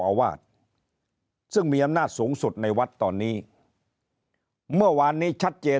อาวาสซึ่งมีอำนาจสูงสุดในวัดตอนนี้เมื่อวานนี้ชัดเจน